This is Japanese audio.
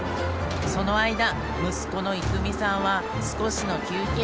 その間息子の生海さんは少しの休憩。